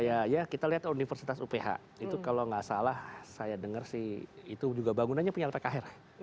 ya kita lihat universitas uph itu kalau gak salah saya dengar sih itu juga bangunan nya punya lpkr